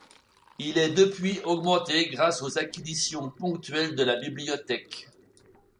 Il est depuis augmenté grâce aux acquisitions ponctuelles de la bibliothèque.